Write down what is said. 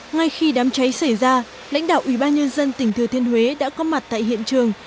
ngay khi đám cháy xảy ra lãnh đạo ủy ban nhân dân tỉnh thừa thiên huế đã có mặt tại hiện trường